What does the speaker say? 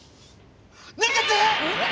何だって！？